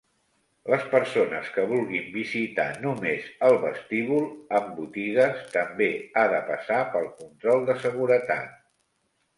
Les persones que vulguin visitar només el vestíbul amb botigues també ha de passar pel control de seguretat.